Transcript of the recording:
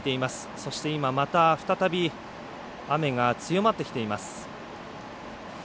そして今、また再び雨が強まってきています。